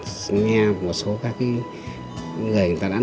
cách đầu tiên mua cũng là một số cái kỹ thuật nó không đáng bảo